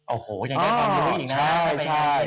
โอ้โหยังได้ความรู้สึกอีกนะ